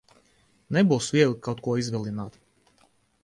Nebūs viegli kaut ko izvilināt.